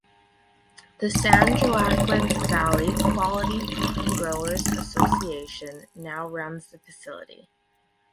The San Joaquin Valley Quality Cotton Growers Association now runs the facility.